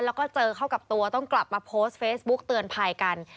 แล้วก็เจอเข้ากับตัวต้องกลับมาโพสต์เฟซบุ๊กเตือนภัยกัน